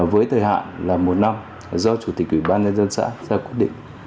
với thời hạn là một năm do chủ tịch ủy ban nhân dân xã ra quyết định